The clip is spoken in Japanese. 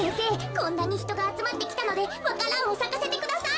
こんなにひとがあつまってきたのでわか蘭をさかせてください！